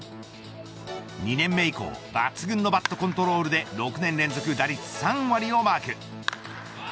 ２年目以降抜群のバットコントロールで６年連続打率３割をマーク。